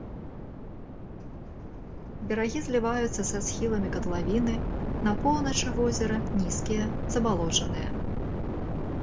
Берагі зліваюцца са схіламі катлавіны, на поўначы возера нізкія, забалочаныя.